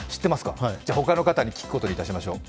じゃ他の方に聞くことにいたしましょう。